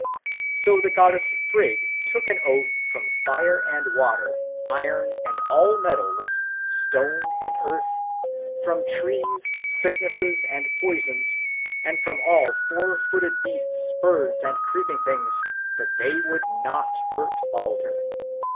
So the goddess Frigg took an oath from fire and water, iron and all metals, stones and earth, from trees, sicknesses and poisons, and from all four footed beasts, birds, and creeping things, that they would not hurt Balder.